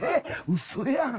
うそやん。